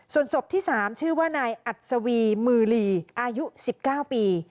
ส่วนศพที่๓ชื่อว่านายอัศวีมือลีอายุ๑๙ปี